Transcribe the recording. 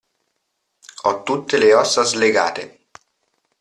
Ho tutte le ossa slegate.